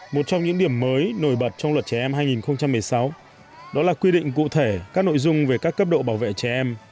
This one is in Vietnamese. một trong những điểm mới nổi bật trong luật trẻ em hai nghìn một mươi sáu đó là quy định cụ thể các nội dung về các cấp độ bảo vệ trẻ em